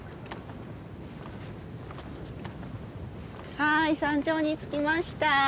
はい山頂に着きました。